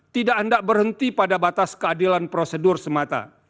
tidak hendak berhenti pada batas keadilan prosedur semata